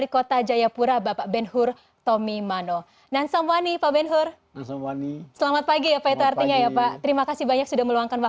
kota jayapura memang